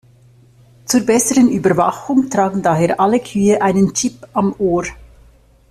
Zur besseren Überwachung tragen daher alle Kühe einen Chip am Ohr.